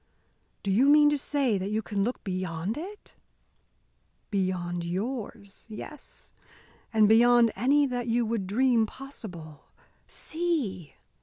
"Do you mean to say that you can look beyond it?" "Beyond yours yes. And beyond any that you would dream possible See!